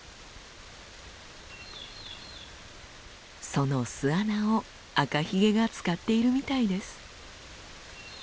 その巣穴をアカヒゲが使っているみたいです。